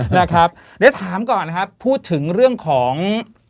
นะครับเดี๋ยวถามก่อนนะครับพูดถึงเรื่องของ